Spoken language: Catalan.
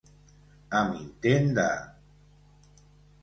Amb intent de.